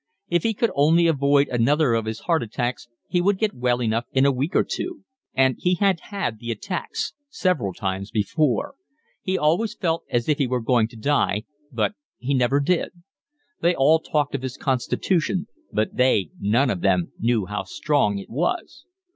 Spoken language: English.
If he could only avoid another of his heart attacks he would get well enough in a week or two; and he had had the attacks several times before; he always felt as if he were going to die, but he never did. They all talked of his constitution, but they none of them knew how strong it was.